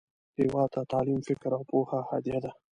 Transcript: هیواد ته تعلیم، فکر، او پوهه هدیه ده